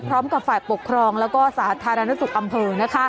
พร้อมกับฝ่ายปกครองแล้วก็สาธารณสุขอำเภอ